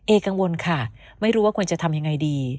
กังวลค่ะไม่รู้ว่าควรจะทำยังไงดี